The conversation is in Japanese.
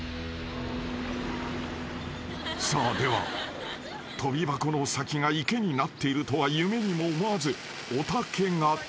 ［さあでは跳び箱の先が池になっているとは夢にも思わずおたけが跳ぶ］